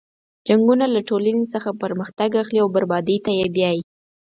جنګونه له ټولنې څخه پرمختګ اخلي او بربادۍ ته یې بیایي.